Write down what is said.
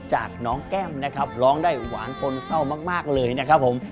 จากน้องแก้มนะครับร้องได้หวานพลเศร้ามากเลยนะครับผม